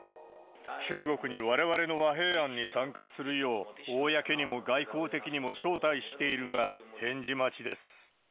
中国にわれわれの和平案に参加するよう、公にも外交的にも招待しているが、返事待ちです。